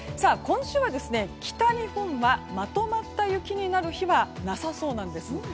今週は北日本はまとまった雪になる日はなさそうなんです。